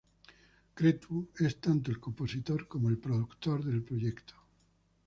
Cretu es tanto el compositor como el productor del proyecto.